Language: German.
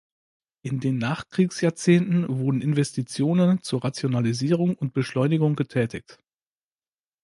In den Nachkriegsjahrzehnten wurden Investitionen zur Rationalisierung und Beschleunigung getätigt.